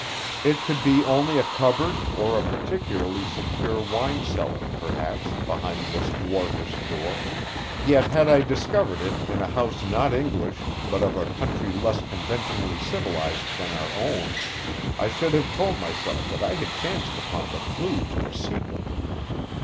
It could be only a cupboard, or a particularly secure wine cellar, perhaps, behind this dwarfish door, yet had I discovered it in a house not English, but of a country less conventionally civilised than our own, I should have told myself that I had chanced upon the clue to a secret.